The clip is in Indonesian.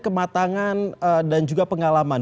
kematangan dan juga pengalaman